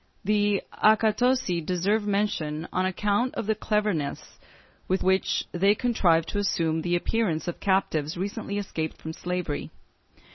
The accatosi deserve mention on account of the cleverness with which they contrived to assume the appearance of captives recently escaped from slavery.